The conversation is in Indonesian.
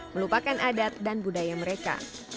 melupakan adat dan budaya mereka